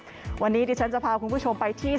ส่วนในระยะนี้หลายพื้นที่ยังคงพบเจอฝนตกหนักได้ค่ะ